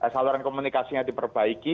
saluran komunikasinya diperbaiki